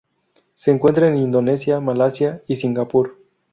Se encuentra en Indonesia, Malasia, y Singapur.